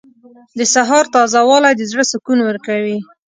• د سهار تازه والی د زړه سکون ورکوي.